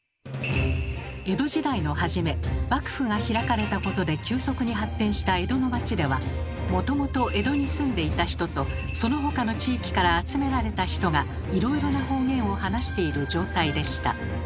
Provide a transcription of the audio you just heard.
江戸時代の初め幕府が開かれたことで急速に発展した江戸の町ではもともと江戸に住んでいた人とそのほかの地域から集められた人がいろいろな方言を話している状態でした。